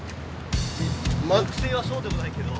毒性はそうでもないけど。